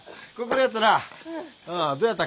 どやった？